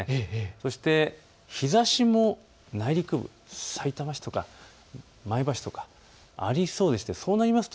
そして日ざしも内陸部、さいたま市とか前橋とかありそうです。